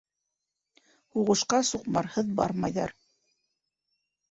Һуғышҡа суҡмарһыҙ бармайҙар.